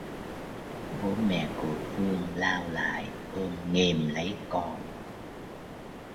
Bố mẹ của Phương lao lại ôm nghiềm lấy con